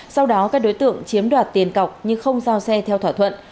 sau đó các đối tượng chiếm đoạt tiền cọc nhưng không giao xe theo thỏa thuận